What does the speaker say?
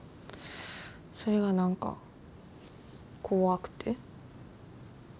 それが何か怖くて。